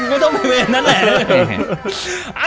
ก็ต้องไปแบบนั้นแหละ